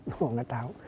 oh gak tahu